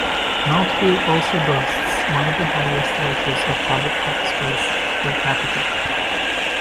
Mountville also boasts one of the highest ratios of public park space per capita.